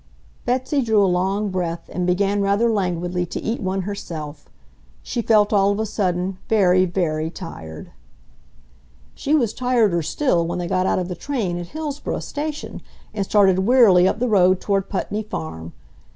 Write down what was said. Betsy drew a long breath and began rather languidly to eat one herself; she felt, all of a sudden, very, very tired. She was tireder still when they got out of the train at Hillsboro Station and started wearily up the road toward Putney Farm.